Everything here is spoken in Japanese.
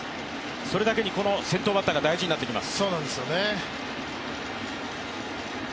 それだけにこの先頭バッターが大事になってきます。